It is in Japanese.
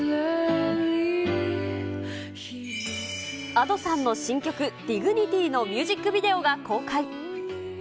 Ａｄｏさんの新曲、ディグニティーのミュージックビデオが公開。